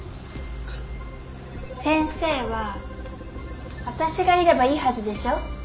先生はァあたしがいればいいはずでしょ？